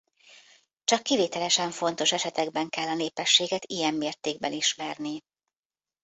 Csak kivételesen fontos esetekben kell a népességet ilyen mértékben ismerni.